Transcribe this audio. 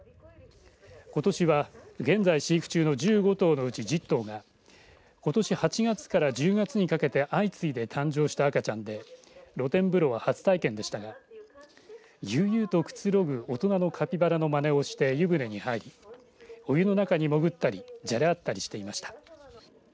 ことしは現在、飼育中の１５頭のうちの１０頭がことし８月から１０月にかけて相次いで誕生した赤ちゃんで露天風呂は初体験でしたが悠々とくつろぐ大人のカピバラのまねをして湯船に入り、お湯の中に潜ったりじゃれあったりしていました。